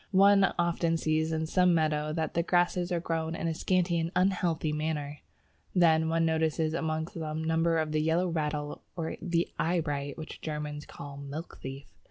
One often sees in some meadow that the grasses are growing in a scanty and unhealthy manner; one then notices amongst them numbers of the Yellow Rattle or the Eyebright (which the Germans call Milk thief).